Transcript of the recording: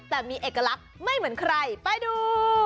แต่มีเอกลักษณ์ไม่เหมือนใครไปดู